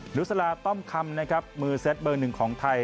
หรูสระต้อมคำมือเซทเบอร์หนึ่งของไทย